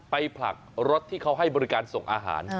ผลักรถที่เขาให้บริการส่งอาหาร